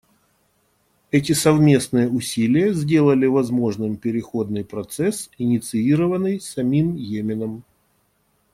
Эти совместные усилия сделали возможным переходный процесс, инициированный самим Йеменом.